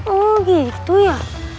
oh gitu ya